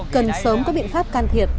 cần sớm có biện pháp can thiệp